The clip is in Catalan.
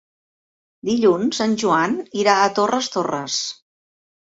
Dilluns en Joan irà a Torres Torres.